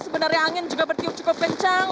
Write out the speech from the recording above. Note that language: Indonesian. sebenarnya angin juga bertiup cukup kencang